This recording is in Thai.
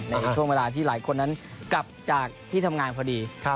ในช่วงเวลาที่หลายคนนั้นกลับจากที่ทำงานพอดี